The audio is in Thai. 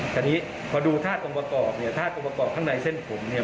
ทีนี้พอดูธาตุองค์ประกอบเนี่ยธาตุองค์ประกอบข้างในเส้นผมเนี่ย